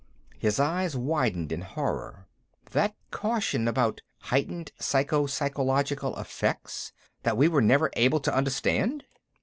His eyes widened in horror. "That caution about 'heightened psycho physiological effects,' that we were never able to understand!"